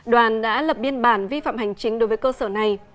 đoàn đã lập biên bản vi phạm hành chính đối với cơ sở này